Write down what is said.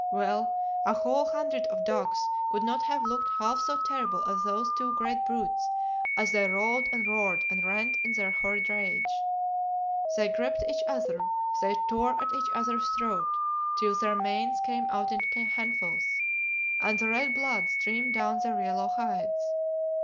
Well, a whole hundred of dogs could not have looked half so terrible as those two great brutes as they rolled and roared and rent in their horrid rage. They gripped each other, they tore at each other's throat, till their manes came out in handfuls, and the red blood streamed down their yellow hides.